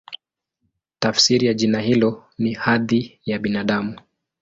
Tafsiri ya jina hilo ni "Hadhi ya Binadamu".